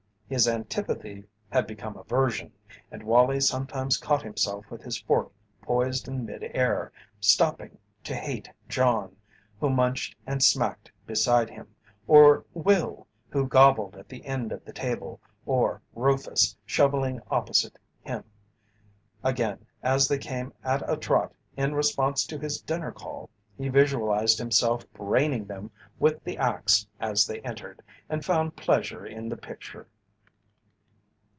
His antipathy had become aversion, and Wallie sometimes caught himself with his fork poised in mid air, stopping to hate John, who munched and smacked beside him, or Will, who gobbled at the end of the table, or Rufus, shovelling opposite him. Again, as they came at a trot in response to his dinner call, he visualized himself braining them with the axe as they entered, and found pleasure in the picture.